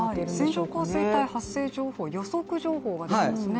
線状降水帯発生予測情報が出ていますね。